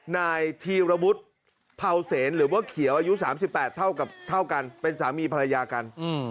นายธีรวุฒิเภาเสนหรือว่าเขียวอายุ๓๘เท่ากันเป็นสามีภรรยากัน